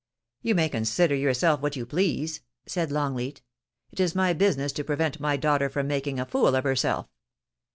* You may consider yourself what you please,' said Long leat. *It is my business to prevent my daughter from making a fool of herself.